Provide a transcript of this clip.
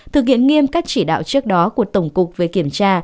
thực hiện nghiêm các chỉ đạo trước đó của tổng cục về kiểm tra